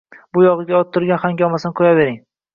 Bu yog`ida orttirgan hangomasini qo`yavering